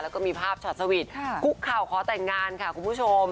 แล้วก็มีภาพช็อตสวีทคุกเข่าขอแต่งงานค่ะคุณผู้ชม